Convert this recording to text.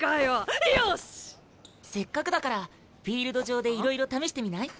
せっかくだからフィールド上でいろいろ試してみない？